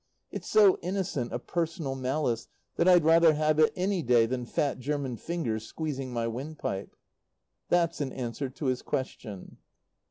It's so innocent of personal malice that I'd rather have it any day than fat German fingers squeezing my windpipe. That's an answer to his question.